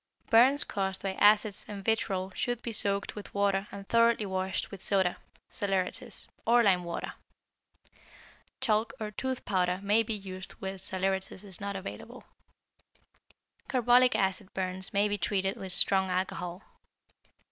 Burns caused by acids and vitrol should be soaked with water and thoroughly washed with soda (saleratus) or lime water. Chalk or tooth powder may be used when saleratus is not available. Carbolic acid burns may be treated with strong alcohol.